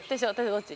どっち？